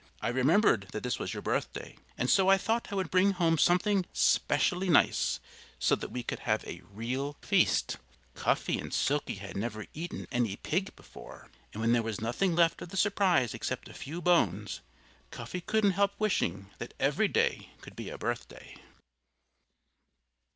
"I remembered that this was your birthday, and so I thought I would bring home something 'specially nice, so that we could have a real feast." Cuffy and Silkie had never eaten any pig before. And when there was nothing left of the surprise except a few bones, Cuffy couldn't help wishing that every day could be a birthday.